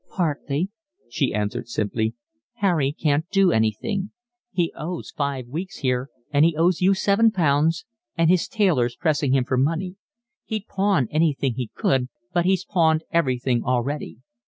"Partly," she answered simply. "Harry can't do anything. He owes five weeks here, and he owes you seven pounds, and his tailor's pressing him for money. He'd pawn anything he could, but he's pawned everything already.